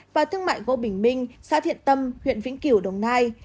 và thương mại gỗ bình minh xã thiện tâm huyện vĩnh kiểu đồng nai